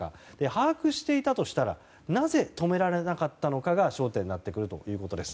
把握していたとしたらなぜ止められなかったのかが焦点になってくるということです。